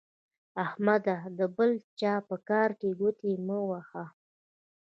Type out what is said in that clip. احمده د بل چا په کار کې ګوتې مه وهه.